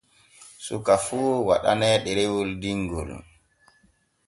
Suka fu waɗanee ɗerewol dinŋol.